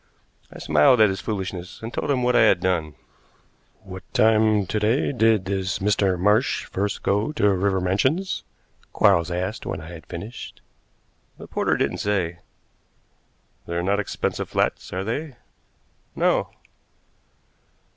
I smiled at his foolishness and told him what I had done. "What time to day did this Mr. Marsh first go to River Mansions?" Quarles asked when I had finished. "The porter didn't say." "They're not expensive flats, are they?" "No."